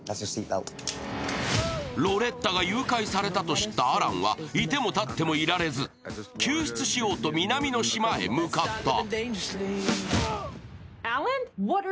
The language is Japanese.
ロレッタが誘拐されたと知ったアランはいても立ってもいられず救出しようと南の島へ向かった。